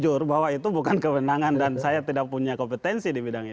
jujur bahwa itu bukan kewenangan dan saya tidak punya kompetensi di bidang ini